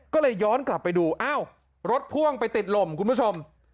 ก็เลยย้อนกลับไปดูอ้าวรถพ่วงไปติดลมคุณผู้ชม